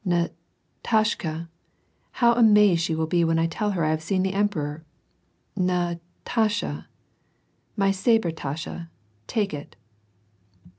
Na — tashka (how^^mazed she will be when I tell her I have seen the em peror !). Na — tasha. My ssthTe tasrhe — take it."